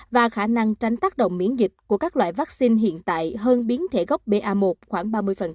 và khả năng tránh tác động miễn dịch của các loại vaccine hiện tại hơn biến thể gốc ba khoảng ba mươi